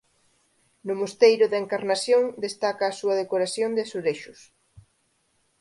No mosteiro da Encarnación destaca a súa decoración de azulexos.